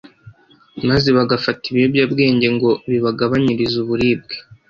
maze bagafata ibiyobyabwenge ngo bibagabanyirize uburibwe